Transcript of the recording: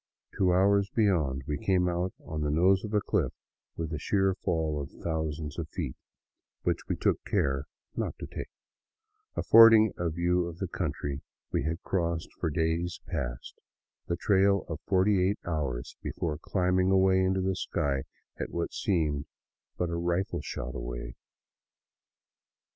Two hours beyond, we came out on the nose of a cliff with a sheer fall of thousands of feet — which we took care not to take — affording a view of the country we had crossed for days past, the trail of forty eight hours before climbing away into the sky at what seemed but a rifle shot away.